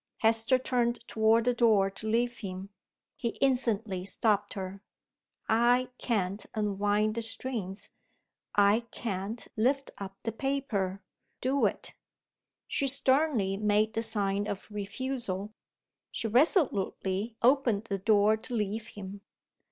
Hester turned toward the door to leave him. He instantly stopped her. "I can't unwind the strings. I can't lift up the paper. Do it." She sternly made the sign of refusal: she resolutely opened the door to leave him.